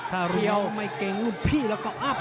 ถ้ารุ่งงี้ไม่เก่งสวุรุ่นพี่เราก็อัพสำรับ